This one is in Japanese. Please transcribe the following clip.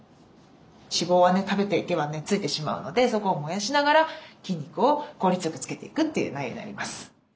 脂肪はね食べていけばねついてしまうのでそこを燃やしながら筋肉を効率よくつけていくという内容になります。